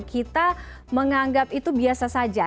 kita menganggap itu biasa saja